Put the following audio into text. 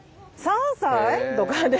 ３歳！？とかで。